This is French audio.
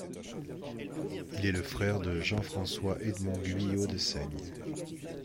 Il est le frère de Jean François Edmond Guyot Dessaigne.